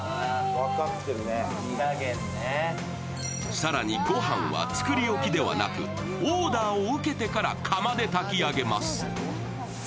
更に御飯は作り置きではなくオーダーを受けてから釜で炊き上げます。